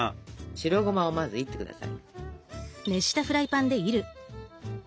白ゴマをまずいって下さい。